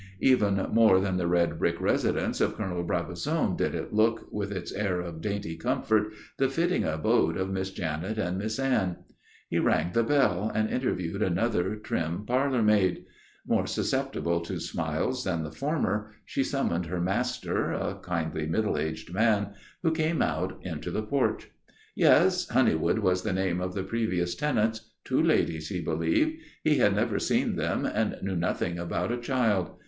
Even more than the red brick residence of Colonel Brabazon did it look, with its air of dainty comfort, the fitting abode of Miss Janet and Miss Anne. He rang the bell and interviewed another trim parlour maid. More susceptible to smiles than the former, she summoned her master, a kindly, middle aged man, who came out into the porch. Yes, Honeywood was the name of the previous tenants. Two ladies, he believed. He had never seen them and knew nothing about a child.